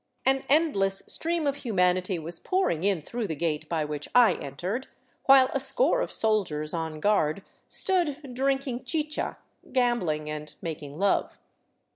An endless stream of humanity was pouring in through the gate by which I entered, while a score of soldiers on guard stood drinking chicha, gambling, and making love.